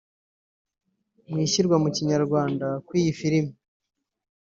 Mu ishyirwa mu kinyarwanda kw’iyi filimi